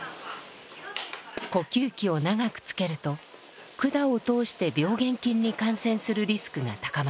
呼吸器を長くつけると管を通して病原菌に感染するリスクが高まります。